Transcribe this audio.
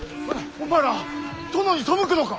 お前ら殿に背くのか！